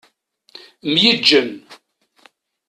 Myeǧǧen.